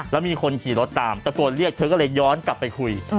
แล้วมีคนขี่รถตามตะโกนเรียกเธอก็เลยย้อนกลับไปคุย